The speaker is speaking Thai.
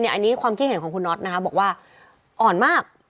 อันนี้ความคิดเห็นของคุณน็อตนะคะบอกว่าอ่อนมาก